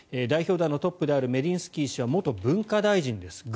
代表団のトップであるメディンスキー氏は元文化大臣です